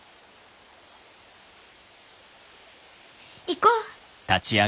行こう！